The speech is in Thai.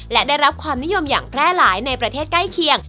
และได้รับความนิยมอย่างแพร่หลายในประเทศใกล้เคียง